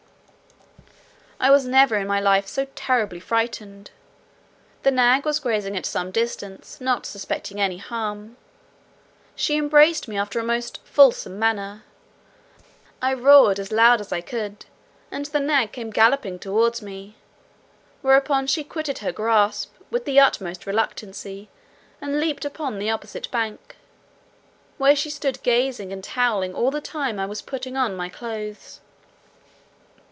I was never in my life so terribly frightened. The nag was grazing at some distance, not suspecting any harm. She embraced me after a most fulsome manner. I roared as loud as I could, and the nag came galloping towards me, whereupon she quitted her grasp, with the utmost reluctancy, and leaped upon the opposite bank, where she stood gazing and howling all the time I was putting on my clothes.